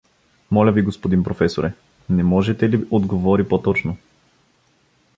— Моля ви, господин професоре, не можете ли отговори по-точно?